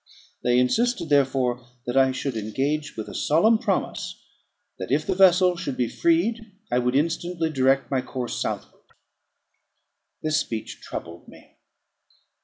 They insisted, therefore, that I should engage with a solemn promise, that if the vessel should be freed I would instantly direct my course southward. This speech troubled me.